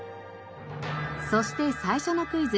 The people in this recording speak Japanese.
そして最初のクイズ。